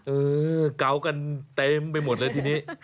เออเกากันเต็มไปหมดเลยทีนี้